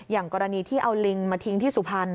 อย่างกรณีที่เอาลิงมาทิ้งที่สุพรรณ